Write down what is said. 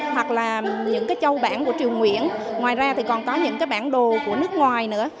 hoặc là những cái châu bản của triều nguyễn ngoài ra thì còn có những cái bản đồ của nước ngoài nữa